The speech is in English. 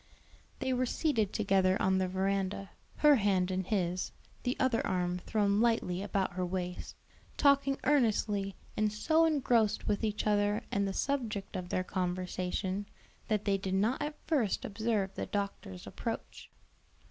They were seated together on the veranda, her hand in his, the other arm thrown lightly about her waist, talking earnestly, and so engrossed with each other and the subject of their conversation, that they did not at first observe the doctor's approach.